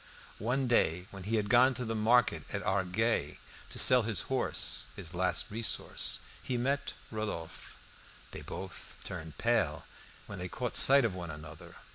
One day when he had gone to the market at Argueil to sell his horse his last resource he met Rodolphe. They both turned pale when they caught sight of one another.